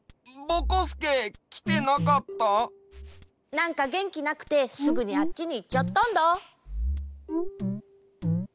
なんかげんきなくてすぐにあっちにいっちゃったんだ。